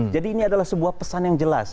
jadi ini adalah sebuah pesan yang jelas